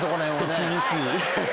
手厳しい。